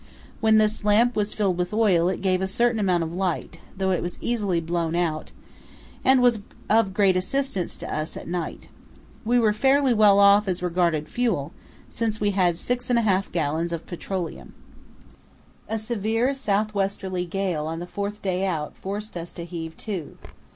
When this lamp was filled with oil it gave a certain amount of light, though it was easily blown out, and was of great assistance to us at night. We were fairly well off as regarded fuel, since we had 6½ gallons of petroleum. A severe south westerly gale on the fourth day out forced us to heave to.